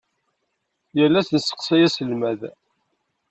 Yal ass nesseqsay aselmad.